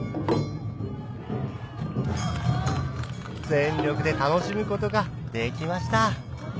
全力で楽しむことができました